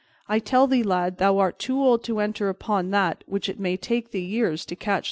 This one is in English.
(3) I tell thee, lad, thou art too old to enter upon that which it may take thee years to catch the hang of."